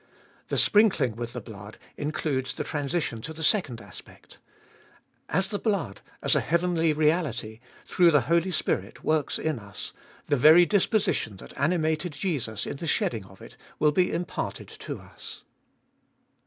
The sprinkling with the blood includes the transition to the second aspect. As the blood, as a heavenly reality, through the Holy Spirit works in us, the very disposition that animated Jesus in the shedding of it will be imparted to us.